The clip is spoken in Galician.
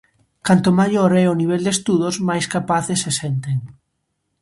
Canto maior é o nivel de estudos, máis capaces se senten.